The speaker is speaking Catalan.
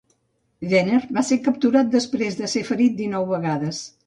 Venner va ser capturat després de ser ferit dinou vegades.